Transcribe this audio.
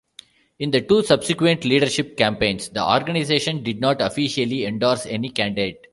In the two subsequent leadership campaigns the organisation did not officially endorse any candidate.